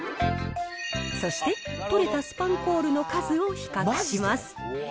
そして、取れたスパンコールの数を比較します。